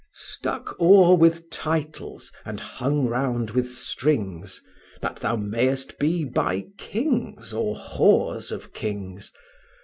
Stuck o'er with titles and hung round with strings, That thou mayest be by kings, or whs of kings.